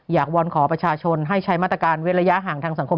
อยากวรขอประชาชนให้ใช้มาตรการเวลาย้าห่างทางสังคม